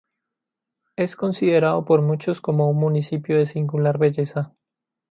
Es considerado por muchos como un municipio de singular belleza.